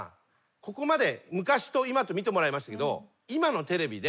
ここまで昔と今と見てもらいましたけど今のテレビで。